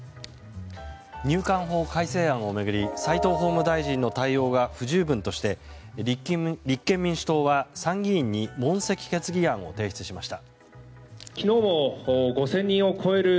入管法改正案を巡り齋藤法務大臣の対応が不十分として、立憲民主党は参議院に問責決議案を提出しました。